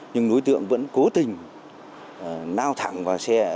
nhưng đối tượng vẫn cố tình lao thẳng vào xe